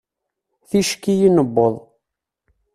Ticki i newweḍ.